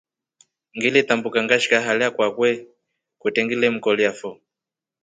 Ngiletambuka ngashika hala kwake kwete ngilemkolia foo.